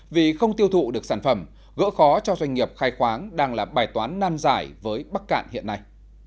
vì không tiêu thụ được sản phẩm gỡ khó cho doanh nghiệp khai khoáng đang là bài toán nan giải với bắc cạn hiện nay